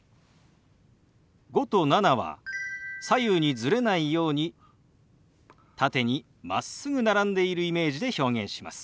「５」と「７」は左右にズレないように縦にまっすぐ並んでいるイメージで表現します。